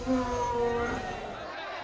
akan negeri yang bangga